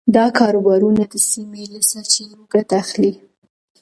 دا کاروبارونه د سیمې له سرچینو ګټه اخلي.